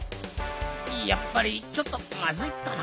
やっぱりちょっとまずいかな。